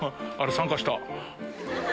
参加した。